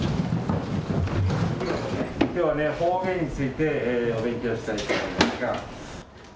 きょうはね、方言についてお勉強したいと思いますが。